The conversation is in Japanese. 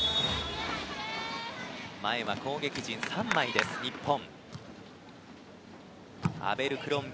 前は攻撃陣３枚の日本。